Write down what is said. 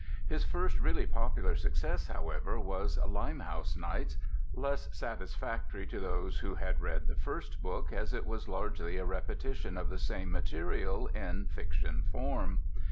His first really popular success, however, was Limehouse Nights, less satisfactory to those who had read the first book, as it was largely a repetition of the same material in fiction form.